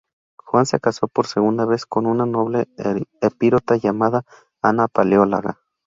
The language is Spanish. Juan se caso por segunda vez con una noble epirota llamada Ana Paleóloga.